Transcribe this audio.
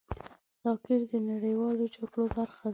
راکټ د نړیوالو جګړو برخه ده